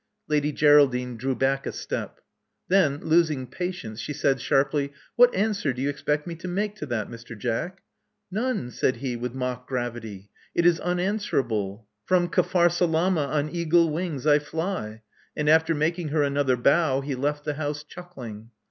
" Lady Geraldine drew back a step. Then, losing patience, she said sharply, What answer do you expect me to make to that, Mr. Jack?" None," said he with mock gravity. It is unanswerable. From Capharsalama on eagle wings I fly." And after making her another bow, he left the house chuckling.